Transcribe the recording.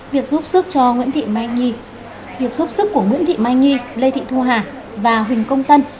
việc giúp sức cho nguyễn thị mai nhi việc giúp sức của nguyễn thị mai nhi lê thị thu hà và huỳnh công tân